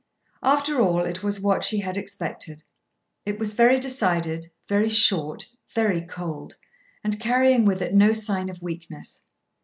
After all it was what she had expected. It was very decided, very short, very cold, and carrying with it no sign of weakness.